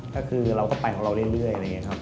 ก็คือเราก็ไปของเราเรื่อยนะเงี้ยครับ